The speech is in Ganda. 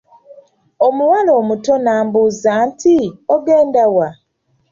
Omuwala omuto n'ambuuza nti, ogenda wa?